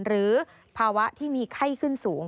หรือภาวะที่มีไข้ขึ้นสูง